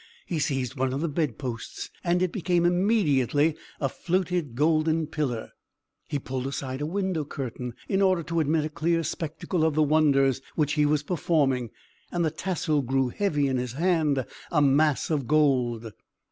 He seized one of the bedposts, and it became immediately a fluted golden pillar. He pulled aside a window curtain, in order to admit a clear spectacle of the wonders which he was performing; and the tassel grew heavy in his hand a mass of gold.